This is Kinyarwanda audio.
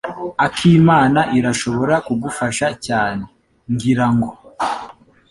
Akimana irashobora kugufasha cyane, ngira ngo.